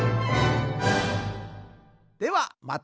ではまた。